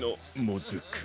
もずく。